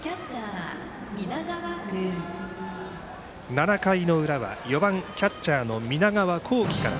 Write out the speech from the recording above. ７回の裏は、４番キャッチャーの南川幸輝から。